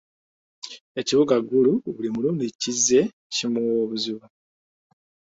Ekibuga Gulu buli mulundi kizze kimuwa obuzibu.